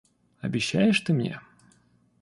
Обещаешь ты мне?...